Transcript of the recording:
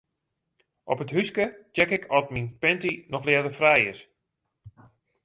Op it húske check ik oft myn panty noch ljedderfrij is.